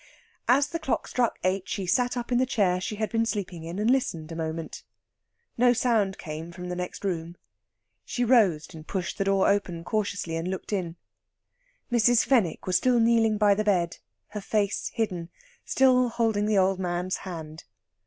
As the clock struck eight she sat up in the chair she had been sleeping in and listened a moment. No sound came from the next room. She rose and pushed the door open cautiously and looked in. Mrs. Fenwick was still kneeling by the bed, her face hidden, still holding the old man's hand.